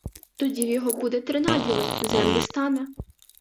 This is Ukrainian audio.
Тоді в його буде три наділи — землі стане.